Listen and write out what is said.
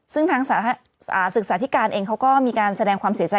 ซึ่งทางศึกษาธิการเองเขาก็มีการแสดงความเสียใจ